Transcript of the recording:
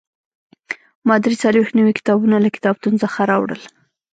ما درې څلوېښت نوي کتابونه له کتابتون څخه راوړل.